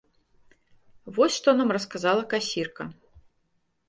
Вось што нам расказала касірка.